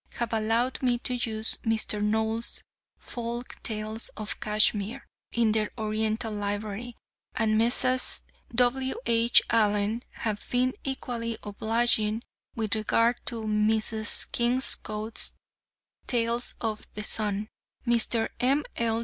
have allowed me to use Mr. Knowles' "Folk tales of Kashmir," in their Oriental Library; and Messrs. W. H. Allen have been equally obliging with regard to Mrs. Kingscote's "Tales of the Sun." Mr. M. L.